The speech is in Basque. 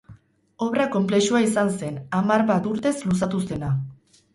Obra konplexua izan zen, hamar bat urtez luzatu zena.